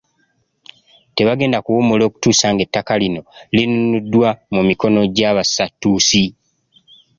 Tebagenda kuwummula okutuusa ng'ettaka lino linunuddwa mu mikono gy'abasatuusi.